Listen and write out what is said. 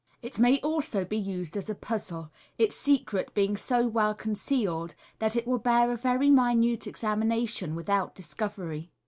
It may also be used as a puzile, its secret being so well concealed that it will bear a very minute examination without discovery.